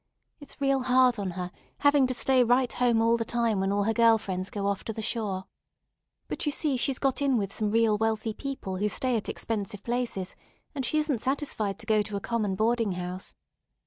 It's real hard on her, having to stay right home all the time when all her girl friends go off to the shore. But you see she's got in with some real wealthy people who stay at expensive places, and she isn't satisfied to go to a common boarding house.